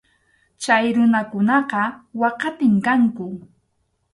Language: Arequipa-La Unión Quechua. Chay runakunaqa waqatim kanku.